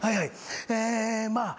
えまあ